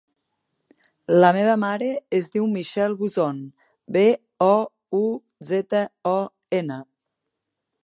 La meva mare es diu Michelle Bouzon: be, o, u, zeta, o, ena.